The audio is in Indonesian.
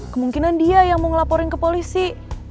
kemungkinan dia yang mau ngelaporin ke polisi